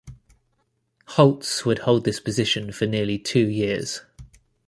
Holtz would hold this position for nearly two years.